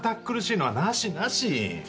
苦しいのはなしなし。